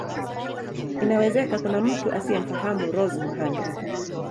Inawezeka kuna mtu asiyemfahamu Rose Muhando